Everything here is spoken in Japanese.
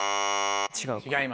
違うか。